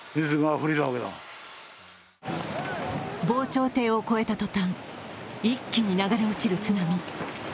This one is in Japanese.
防潮堤を越えた途端、一気に流れ落ちる津波。